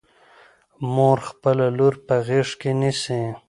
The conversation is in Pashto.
مور خپله لور په غېږ کې نیسي.